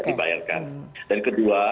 dibayarkan dan kedua